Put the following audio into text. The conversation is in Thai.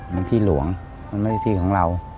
มันที่หลวงมันไม่ใช่ที่ของเรา